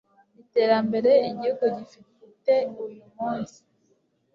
iterambere igihugu gifite uyu munsi.